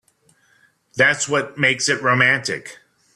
That's what makes it romantic.